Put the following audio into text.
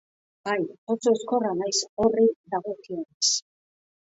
Bai, oso ezkorra naiz horri dagokionez.